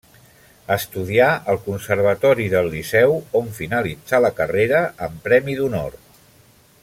Estudià al Conservatori del Liceu on finalitzà la carrera amb Premi d'Honor.